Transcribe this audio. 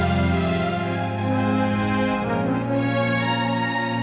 semoga ini menjadi comeback